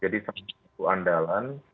jadi satu satu andalan